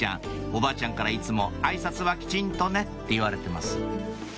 おばあちゃんからいつも「あいさつはきちんとね」って言われてます